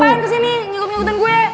ngapain kesini ngikut ngikutin gue